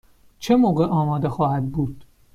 چه موقع آماده خواهد بود؟